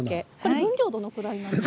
分量はどのくらいですか？